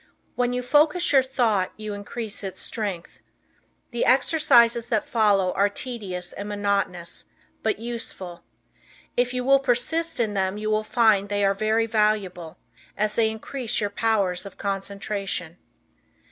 When you focus your thought, you increase its strength. The exercises that follow are tedious and monotonous, but useful. If you will persist in them you will find they are very valuable, as they increase your powers of concentration.